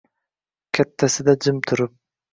Kattasida jim turib